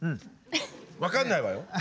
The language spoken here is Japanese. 分かんないわよ。